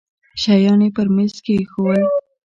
شيان يې پر ميز کښېښوول.